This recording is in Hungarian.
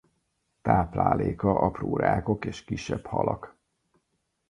Tápláléka apró rákok és kisebb halak.